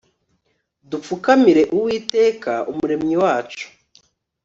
dupfukamire uwiteka, umuremyi wacu